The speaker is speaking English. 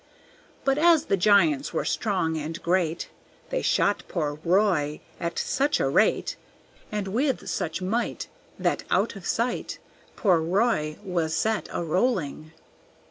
But as the giants were strong and great, They shot poor Roy at such a rate, And with such might, That out of sight Poor Roy was set a rolling.